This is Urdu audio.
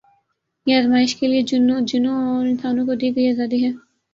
یہ آزمایش کے لیے جنوں اور انسانوں کو دی گئی آزادی ہے